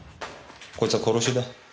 こいつは殺しだ。